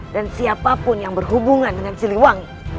dan siapapun yang berhubungan dengan siliwangi